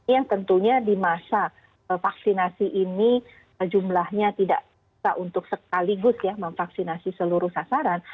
yang tentunya di masa vaksinasi ini jumlahnya tidak bisa untuk sekaligus ya memvaksinasi seluruh sasaran